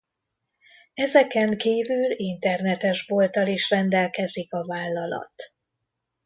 Ezeken kívül internetes bolttal is rendelkezik a vállalat.